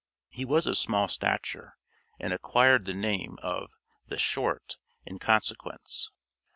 He was of small stature, and acquired the name of "the Short" in consequence.